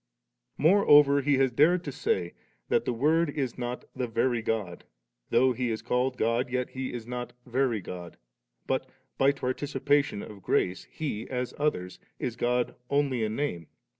* 6. Moreover he has dared to say, that * the WcMrd is not the verjr God;* * though He is called God, yet He is not very God,' but * by participation of grace. He, as others, is God only in name.'